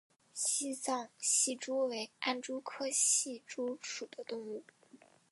西藏隙蛛为暗蛛科隙蛛属的动物。